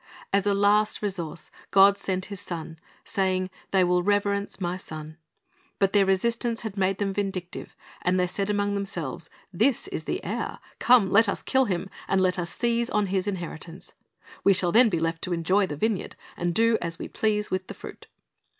As a last resource, God sent His Son, saying, "They will reverence My Son." But their resistance had made them vindictive, and they said among themselves, "This is the heir; come, let us kill Him, and let us seize on His inheritance." We shall then be left to enjoy the vineyard, and to do as we please with the fruit.